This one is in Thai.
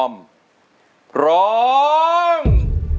อ้อมร้อง